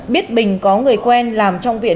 biết bình có người quen làm trong viện